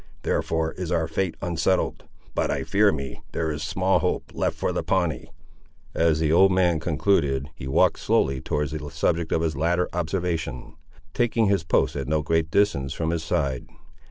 Therefore is our fate unsettled; but I fear me there is small hope left for the Pawnee!" As the old man concluded, he walked slowly towards the subject of his latter observation, taking his post at no great distance from his side.